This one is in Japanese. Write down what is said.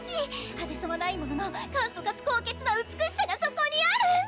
派手さはないものの簡素かつ高潔な美しさがそこにある！